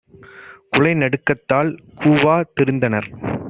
குலைநடுக் கத்தால் கூவா திருந்தனர்!